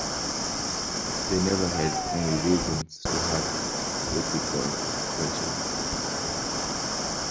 They never had any reasons before to have ethical questions.